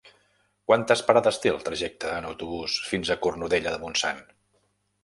Quantes parades té el trajecte en autobús fins a Cornudella de Montsant?